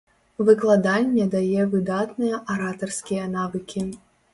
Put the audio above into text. Выкладанне дае выдатныя аратарскія навыкі.